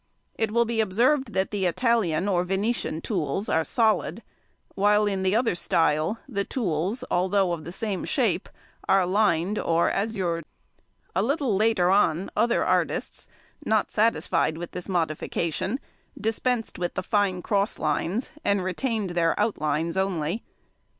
It will be observed that the Italian or Venetian tools are solid, while in the other style the tools, although of the same shape, are lined or azuré. A little later on other artists, not satisfied with this modification, dispensed with the |114| fine cross lines, and retained their outlines only.